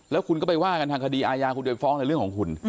แล้วคุณก็ไปว่ากันทางคดีอาญาคุณไปฟ้องในเรื่องของคุณ